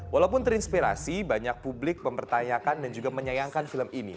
walaupun terinspirasi banyak publik mempertanyakan dan juga menyayangkan film ini